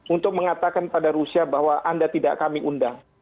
untuk mengatakan pada rusia bahwa anda tidak kami undang